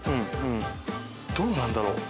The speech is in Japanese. どうなんだろう。